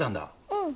うん。